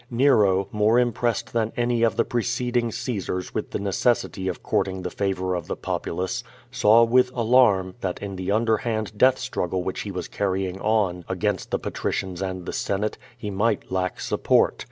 Xero, more impressed than any of the pre ceding Caesars with the necessity of courting the favor of the populace, saw with alarm, that in the underhand death strug gle which he was carrying on against the patricians and the senate, he might lack support.